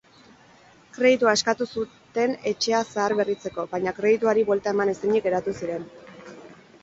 Kreditua eskatu zuten etxea zahar-berritzeko, baina kredituari buelta eman ezinik geratu ziren.